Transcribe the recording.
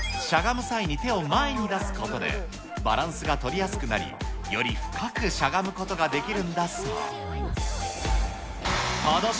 しゃがむ際に手を前に出すことで、バランスが取りやすくなり、より深くしゃがむことができるんだそう。